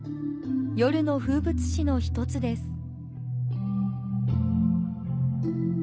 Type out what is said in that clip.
夜の風物詩の１つです。